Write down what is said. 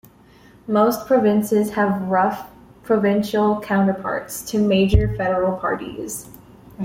Most provinces have rough provincial counterparts to major federal parties.